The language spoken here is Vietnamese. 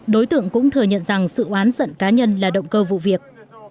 đối tượng cũng thừa nhận rằng sự oán giận cá nhân là động cơ vụ việc